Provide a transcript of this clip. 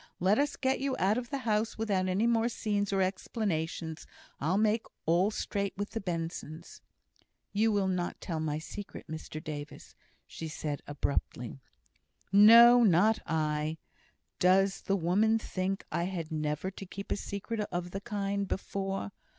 Let us get you out of the house without any more scenes or explanations; I'll make all straight with the Bensons." "You will not tell my secret, Mr Davis," she said, abruptly. "No! not I! Does the woman think I had never to keep a secret of the kind before?